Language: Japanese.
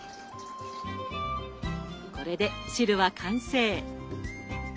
これで汁は完成。